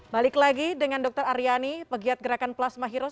balik lagi dengan dr aryani pegiat gerakan plasma heroes